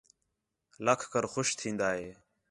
لَکھ کر خوش تِھین٘دا ہِے